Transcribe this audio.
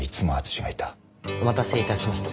お待たせ致しました。